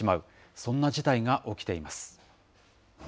そんな事態が起きています。